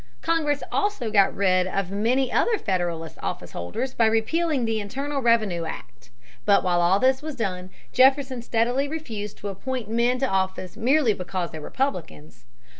Congress also got rid of many other Federalist officeholders by repealing the Internal Revenue Act (p. 167). But while all this was done, Jefferson steadily refused to appoint men to office merely because they were Republicans.